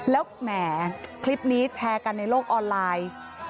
แล้วแหมคลิปนี้แชร์กันในโลกออนไลน์